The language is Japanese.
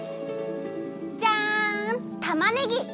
じゃんたまねぎ！